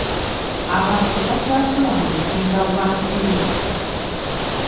Abantu tebakyasula mu butimba bwa nsiri.